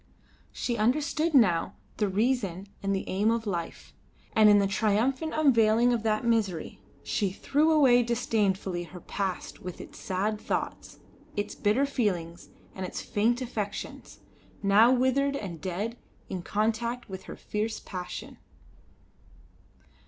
She understood now the reason and the aim of life; and in the triumphant unveiling of that mystery she threw away disdainfully her past with its sad thoughts, its bitter feelings, and its faint affections, now withered and dead in contact with her fierce passion.